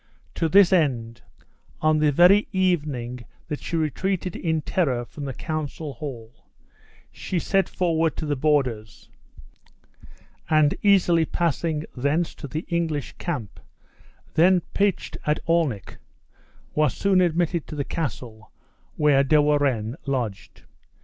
To this end, on the very evening that she retreated in terror from the council hall, she set forward to the borders; and, easily passing thence to the English camp (then pitched at Alnwick), was soon admitted to the castle, where De Warenne lodged.